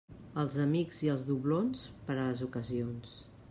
Els amics i els doblons, per a les ocasions.